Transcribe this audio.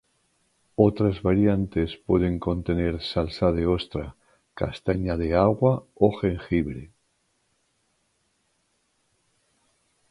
Otras variantes pueden contener salsa de ostra, castaña de agua o jengibre.